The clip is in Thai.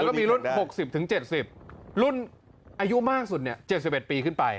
ก็มีรุ่น๖๐๗๐รุ่นอายุมากสุด๗๑ปีขึ้นไป